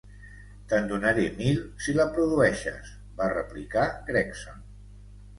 "Te'n donaré mil si la produeixes", va replicar Gregson.